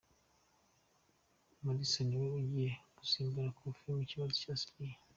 murisa niwe ugiye gusimbura Kofi mu kibazo cya Siriya